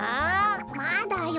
まだよ！